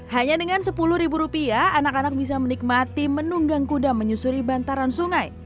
hanya dengan sepuluh ribu rupiah anak anak bisa menikmati menunggang kuda menyusuri bantaran sungai